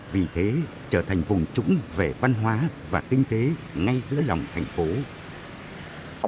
vì thế trở thành vùng trúng về văn hóa và kinh tế ngay giữa lòng thành phố